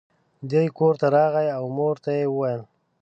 دی کور ته راغی او مور ته یې وویل.